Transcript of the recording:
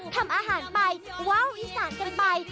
ทำอาหารไปว่าวอีสานกันไป